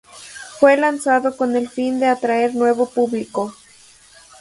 Fue lanzado con el fin de atraer nuevo público.